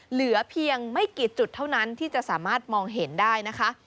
เหลือเพียงไม่กี่จุดเท่านั้นที่จะสามารถมองเห็นได้นะคะ